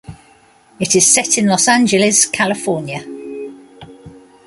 It is set in Los Angeles, California.